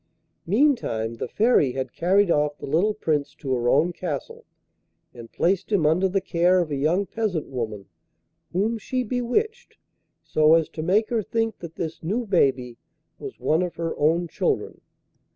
Meantime the Fairy had carried off the little Prince to her own castle, and placed him under the care of a young peasant woman, whom she bewitched so as to make her think that this new baby was one of her own children.